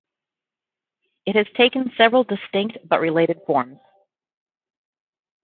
It has taken several distinct but related forms.